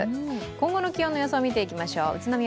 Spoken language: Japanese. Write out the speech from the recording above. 今後の予想を見ていきましょう。